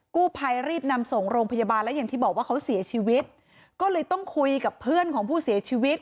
กู้ภัยรีบนำส่งโรงพยาบาลและอย่างที่บอกว่าเขาเสียชีวิตก็เลยต้องคุยกับเพื่อนของผู้เสียชีวิต